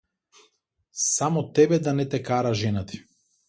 Само тебе да не те кара жена ти.